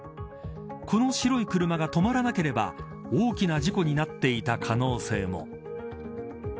この白い車が止まらなければ大きな事故になっていた可能性も。